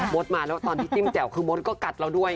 ดมาแล้วตอนที่จิ้มแจ่วคือมดก็กัดเราด้วย